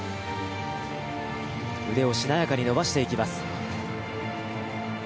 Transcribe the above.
腕をしなやかに伸ばしていきます。